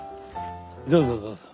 どうぞどうぞ。